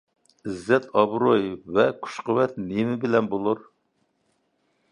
ئىززەت-ئابرۇي ۋە كۈچ-قۇۋۋەت نېمە بىلەن بولۇر؟